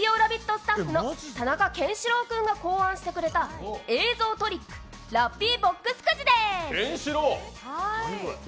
スタッフの田中健志郎君が考案してくれた映像トリックラッピーボックスくじです。